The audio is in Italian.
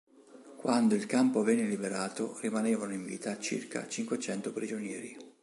Quando il campo venne liberato rimanevano in vita circa cinquecento prigionieri.